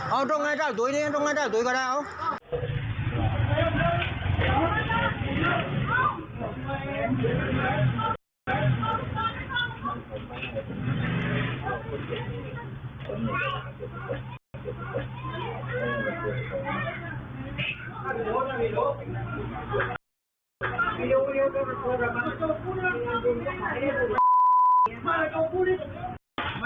เอาตรงไหนเท่าด้วยเนี่ยตรงไหนเท่าด้วยก็ได้เอา